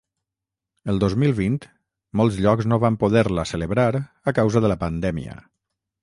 El dos mil vint, molts llocs no van poder-la celebrar a causa de la pandèmia.